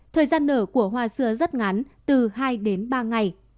thời gian nở của hoa xưa rất ngắn từ hai đến ba ngày